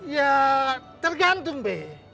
ya tergantung be